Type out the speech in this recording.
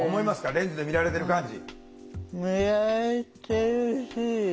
レンズで見られてる感じ。